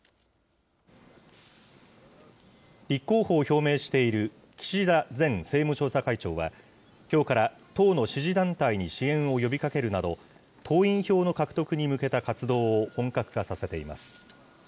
立候補を表明している岸田前政務調査会長は、きょうから党の支持団体に支援を呼びかけるなど、党員票の獲得に向けた活動を本格化させています。